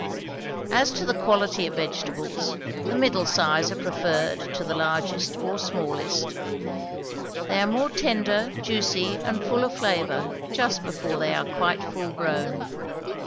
As to the quality of vegetables, the middle size are preferred to the largest or smallest; they are more tender, juicy, and full of flavor, just before they are quite full grown.